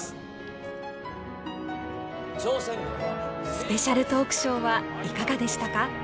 スペシャルトークショーはいかがでしたか？